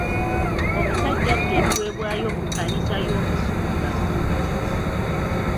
Omusajja abbye ebiweebwayo mu kkanisa y'omusumba.